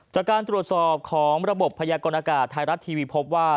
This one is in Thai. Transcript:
จากการตรวจสอบของระบบพยากรณากาศไทยรัฐทีวีพบว่า